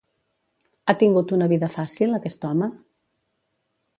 Ha tingut una vida fàcil, aquest home?